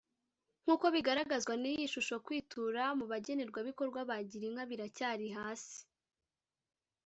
Nk uko bigaragazwa n iyi shusho kwitura mu bagenerwabikorwa ba Girinka biracyari hasi